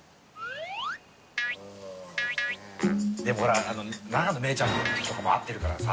でもほら永野芽郁ちゃんとかも会ってるからさ